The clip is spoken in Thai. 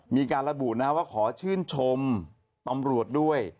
มีการระบุนะว่าขอชื่นชมตำรวจด้วย